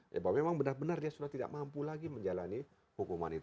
ya bahwa memang benar benar dia sudah tidak mampu lagi menjalani hukuman itu